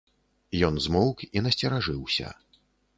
Ён змоўк і насцеражыўся.